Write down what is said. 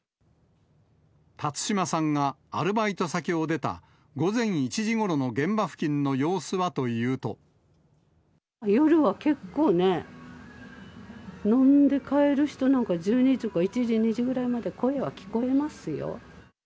辰島さんがアルバイト先を出た午前１時ごろの現場付近の様子はと夜は結構ね、飲んで帰る人なんか、１２時とか、１時、２時ぐらいまで、声は聞こえますよ。